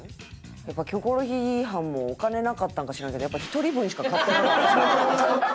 やっぱ『キョコロヒー』班もお金なかったんか知らんけどやっぱ１人分しか買ってなかったもんな。